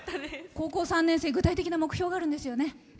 高校３年生、具体的な目標があるんですよね？